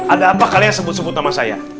ada apa kalian sebut sebut sama saya